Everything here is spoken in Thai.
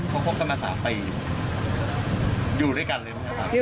เขาคบกันมา๓ปีอยู่ด้วยกันเลยไหมครับ